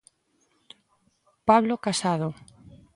Pablo Casado.